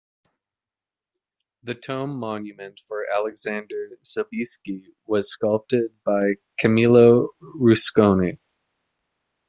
The tomb monument for "Alexander Sobieski" was sculpted by Camillo Rusconi.